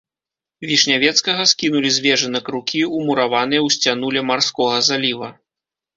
Вішнявецкага скінулі з вежы на крукі, умураваныя ў сцяну ля марскога заліва.